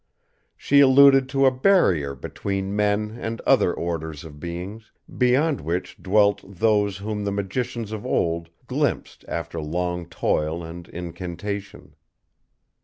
She alluded to a Barrier between men and other orders of beings, beyond which dwelt Those whom the magicians of old glimpsed after long toil and incantation.